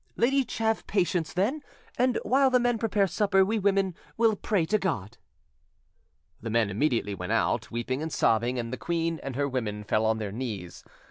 Let each have patience, then, and while the men prepare supper, we women will pray to God." The men immediately went out, weeping and sobbing, and the queen and her women fell on their knees.